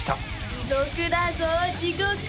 地獄だぞ地獄！